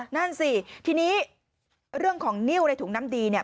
นั่นสิทีนี้เรื่องของนิ้วในถุงน้ำดีเนี่ย